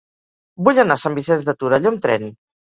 Vull anar a Sant Vicenç de Torelló amb tren.